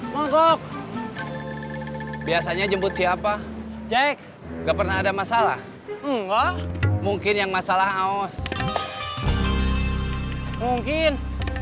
mogok biasanya jemput siapa cek nggak pernah ada masalah mungkin yang masalah aos mungkin